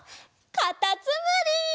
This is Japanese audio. かたつむり！